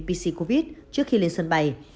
pc covid trước khi lên sân bay